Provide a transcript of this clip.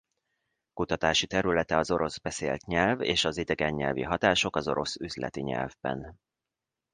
Kutatási területe az orosz beszélt nyelv és az idegennyelvi hatások az orosz üzleti nyelvben.